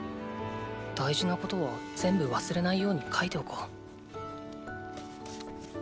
大事なことは全部忘れないように書いておこう。